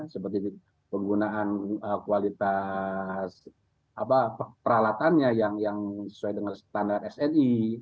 seperti penggunaan kualitas peralatannya yang sesuai dengan standar sni